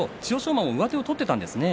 馬も上手を取っていたんですね。